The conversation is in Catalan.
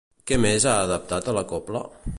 Què més ha adaptat a la cobla?